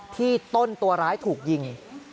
ที่ต้นตัวร้ายถูกยิง